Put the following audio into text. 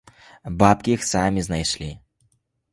Бабкі іх самі знайшлі!